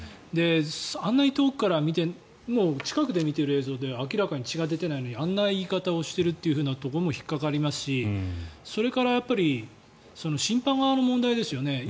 あんなに遠くから見て近くで見ている映像で明らかに血が出ていないのにあんな言い方をしているところも引っかかりますしそれから審判側の問題ですよね。